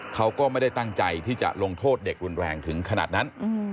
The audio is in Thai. เขาก็ไม่ได้ตั้งใจที่จะลงโทษเด็กรุนแรงถึงขนาดนั้น